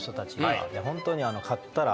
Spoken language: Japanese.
ホントに勝ったら。